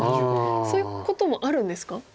そういうこともあるんですか？